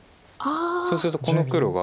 そうするとこの黒が。